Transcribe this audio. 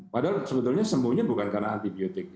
padahal sebetulnya sembuhnya bukan karena antibiotik